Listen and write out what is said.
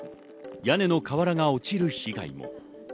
屋根の瓦が落ちる被害も。